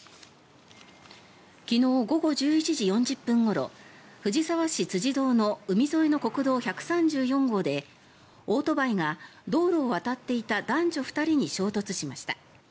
昨日午後１１時４０分ごろ藤沢市辻堂の海沿いの国道１３４号でオートバイが道路を渡っていた男女２人に衝突しました。